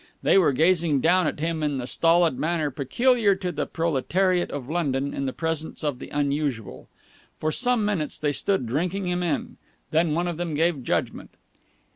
They were gazing down at him in the stolid manner peculiar to the proletariat of London in the presence of the unusual. For some minutes they stood drinking him in, then one of them gave judgment.